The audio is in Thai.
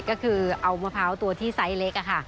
ก็คือเอามะพร้าวตัวที่ไซส์เล็กค่ะ